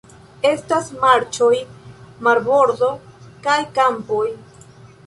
Estas marĉoj, marbordo kaj kampoj.